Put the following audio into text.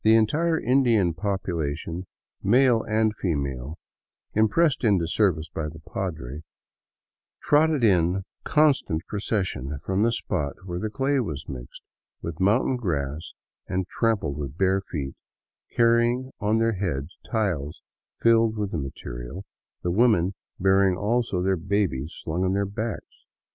The entire Indian popula tion, male and female, impressed into service by the padre, trotted in constant procession from the spot where the clay was mixed with mountain grass and trampled with bare feet, carrying on their heads tiles filled with the material, the women bearing also their babies slung on their backs.